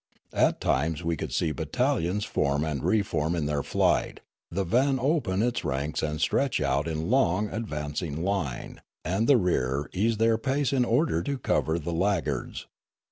At times we could see battalions form and reform in their flight, the van open its ranks and stretch out in long advancing line, and the rear ease their pace in order to cover the laggards.